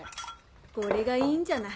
これがいいんじゃない。